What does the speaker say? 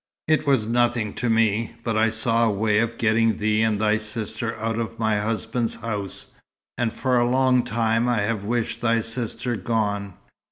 It was nothing to me; but I saw a way of getting thee and thy sister out of my husband's house, and for a long time I have wished thy sister gone.